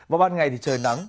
và ban ngày thì trời nắng